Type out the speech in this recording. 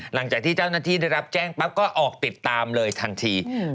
หลังจากที่เจ้าหน้าที่ได้รับแจ้งปั๊บก็ออกติดตามเลยทันที